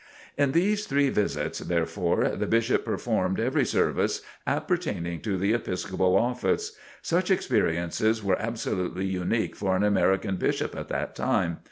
In these three visits, therefore, the Bishop performed every service appertaining to the Episcopal office. Such experiences were absolutely unique for an American Bishop at that time.